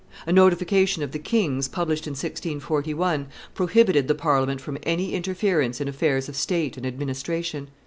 A notification of the king's, published in 1641, prohibited the Parliament from any interference in affairs of state and administration.